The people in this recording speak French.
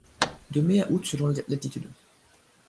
De mai à août selon l'altitude.